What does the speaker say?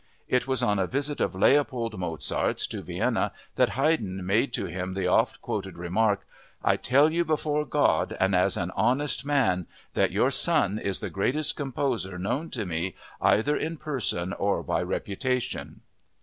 It was on a visit of Leopold Mozart's to Vienna that Haydn made to him the oft quoted remark: "I tell you before God and as an honest man that your son is the greatest composer known to me either in person or by reputation!"